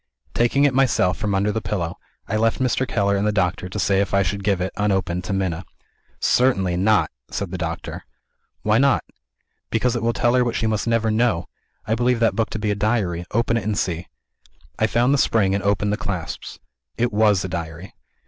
Taking it myself from under the pillow, I left Mr. Keller and the doctor to say if I should give it, unopened, to Minna. "Certainly not!" said the doctor. "Why not?" "Because it will tell her what she must never know. I believe that book to be a Diary. Open it, and see." I found the spring and opened the clasps. It was a Diary.